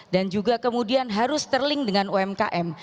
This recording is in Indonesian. dan juga kemudian harus terlink dengan umkm